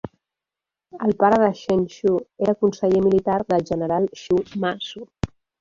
El pare de Chen Shou era conseller militar del general Shu Ma Su.